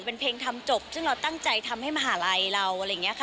เป็นเพลงทำจบซึ่งเราตั้งใจทำให้มหาลัยเราอะไรอย่างนี้ค่ะ